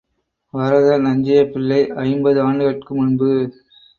வரத நஞ்சையபிள்ளை ஐம்பது ஆண்டுகட்கு முன்பு.